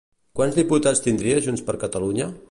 Quants diputats tindria Junts per Catalunya?